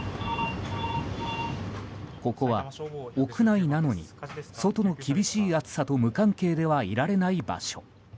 ここは屋内なのに外の厳しい暑さと無関係ではいられない場所。